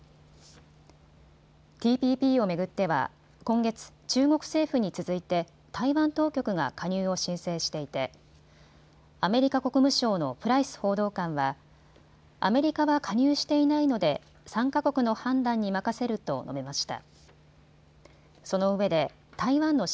ＴＰＰを巡っては今月、中国政府に続いて台湾当局が加入を申請していてアメリカ国務省のプライス報道官はアメリカは加入していないので参加国の判断に任せると述べました。